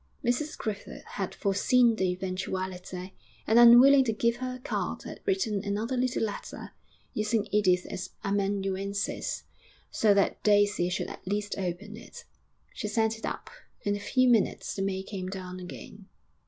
Mrs Griffith had foreseen the eventuality, and, unwilling to give her card, had written another little letter, using Edith as amanuensis, so that Daisy should at least open it. She sent it up. In a few minutes the maid came down again.